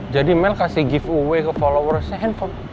jadi mel kasih giveaway ke followersnya handphone